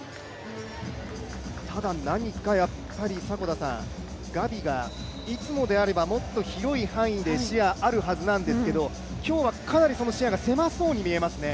ただ何か、ガビがいつもであればもっと広い範囲視野があるはずなんですけど今日はかなりその視野が狭そうに見えますね。